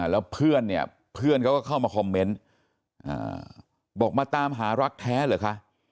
แล้วเพื่อนเนี่ยเพื่อนเขาก็เข้ามาคอมเมนต์บอกมาตามหารักแท้เหรอคะ